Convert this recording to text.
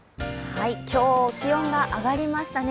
今日、気温が上がりましたね。